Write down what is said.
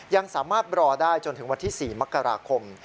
ยังสามารถรอได้จนถึงวันที่๔มกราคม